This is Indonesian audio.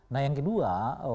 nah yang kedua